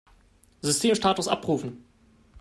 Systemstatus abrufen!